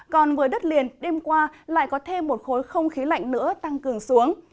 còn với đất liền đêm qua lại có thêm một khối không khí lạnh nữa tăng cường xuống